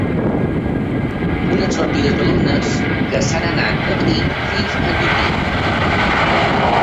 Unes sortides d’alumnes que s’han anat repetint fins al migdia.